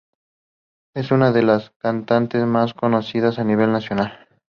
Es una de las cantantes más conocidas a nivel nacional.